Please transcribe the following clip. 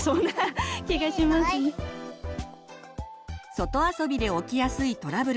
外遊びで起きやすいトラブル。